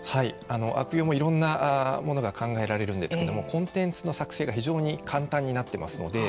悪用もいろんなものが考えられるんですけれどもコンテンツの作成が非常に簡単になっていますので。